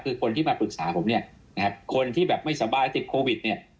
คือคนที่มาปรึกษาผมคนที่แบบไม่สบายติดโควิด